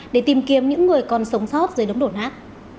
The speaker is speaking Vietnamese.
để tìm kiếm những người còn sống sót dưới đống đổ nát